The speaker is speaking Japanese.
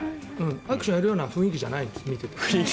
アクションやるような雰囲気じゃないんです。